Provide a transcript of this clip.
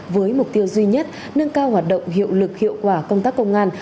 với mục tiêu duy nhất nâng cao hoạt động hiệu lực hiệu quả công tác công an